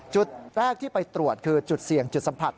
จุดแรกที่ไปตรวจคือจุดเสี่ยงจุดสัมผัส